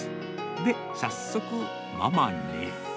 で、早速、ママに。